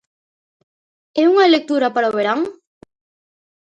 É unha lectura para o verán?